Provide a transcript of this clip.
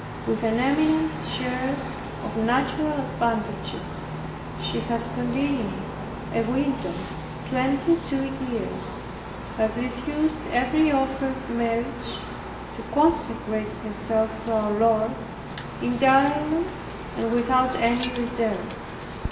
With an eminent share of natural advantages, she has continued a widow twenty two years; has refused every offer of marriage to consecrate herself to our Lord entirely and without any reserve.